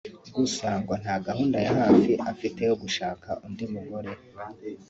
gusa ngo nta gahunda ya hafi afite yo gushaka undi mugore